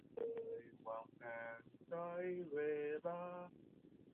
เลยวางแผนใช้เวลา